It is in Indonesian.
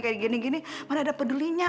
kayak gini gini mana ada pedulinya